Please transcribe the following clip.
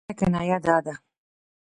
د ژوند ستره کنایه دا ده.